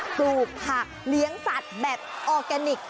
ปลูกผักเลี้ยงสัตว์แบบออร์แกนิค